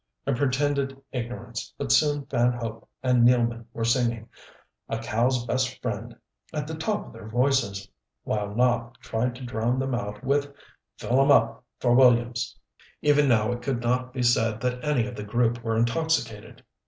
I pretended ignorance, but soon Van Hope and Nealman were singing "A Cow's Best Friend" at the top of their voices, while Nopp tried to drown them out with "Fill 'em up for Williams." Even now it could not be said that any of the group were intoxicated.